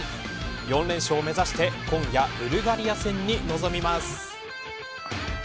４連勝を目指して今夜ブルガリア戦に臨みます。